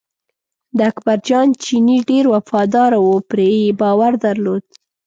د اکبر جان چینی ډېر وفاداره و پرې یې باور درلود.